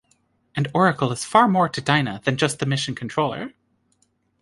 And Oracle is far more to Dinah than just the mission controller.